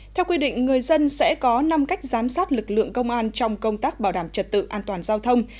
theo quy định người dân sẽ có năm cách giám sát lực lượng công an trong công tác bảo đảm trật tự an toàn giao thông